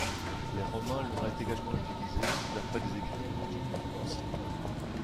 Les Romains l'auraient également utilisé d'après des écrits de Pline l'Ancien.